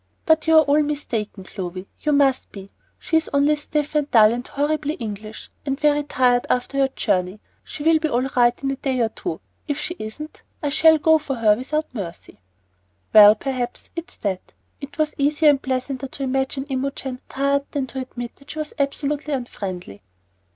But you're all mistaken, Clovy; you must be. She's only stiff and dull and horribly English, and very tired after her journey. She'll be all right in a day or two. If she isn't, I shall 'go for' her without mercy." "Well, perhaps it is that." It was easier and pleasanter to imagine Imogen tired than to admit that she was absolutely unfriendly.